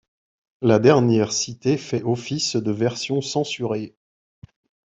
La dernière citée fait office de version censurée.